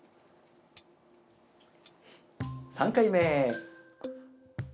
３回目。